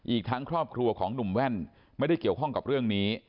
อีกทั้งครอบครัวของหนุ่มแว่นไม่ได้เกี่ยวข้องกับเรื่องนี้